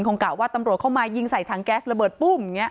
กะว่าตำรวจเข้ามายิงใส่ถังแก๊สระเบิดปุ้มอย่างนี้